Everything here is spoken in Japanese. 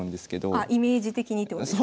あっイメージ的にってことですか？